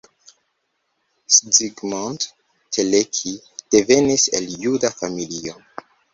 Zsigmond Teleki devenis el juda familio.